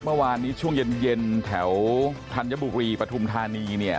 เมื่อวานนี้ช่วงเย็นแถวทันยะบุรีประธุมธานี